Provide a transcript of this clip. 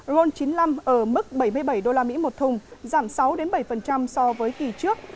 ron chín mươi năm ở mức bảy mươi bảy usd một thùng giảm sáu bảy so với kỳ trước